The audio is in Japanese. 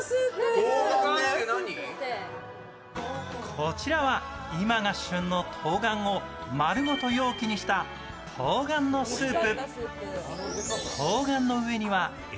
こちらは今が旬のとうがんを丸ごと容器にしたとうがんのスープ。